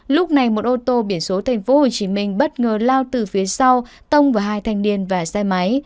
lúc này một ô tô biển số tp hcm bất ngờ lao từ phía sau tông vào hai thanh niên và xe máy